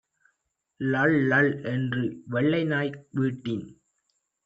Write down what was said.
ளள் ளள் என்று வெள்ளை நாய், வீட்டின்